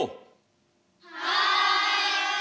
はい！